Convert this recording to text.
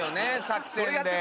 作戦で。